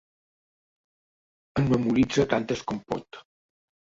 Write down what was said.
En memoritza tantes com pot.